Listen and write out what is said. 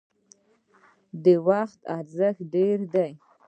د وخت ارزښت ډیر دی